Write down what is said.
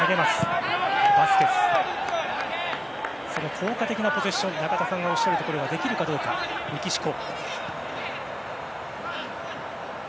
効果的なポゼッション中田さんがおっしゃるところができるかどうか、メキシコ。